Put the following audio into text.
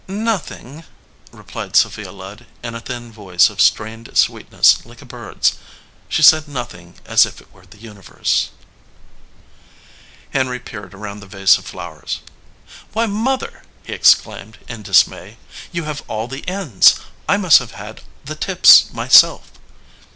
"Nothing," replied Sophia Ludd, in a thin voice of strained sweetness like a bird s. She said "Nothing" as if it were the universe. 235 EDGEWATER PEOPLE Henry peered around the vase of flowers. "Why, Mother!" he exclaimed, in dismay. "You have all the ends. I must have had the tips my self."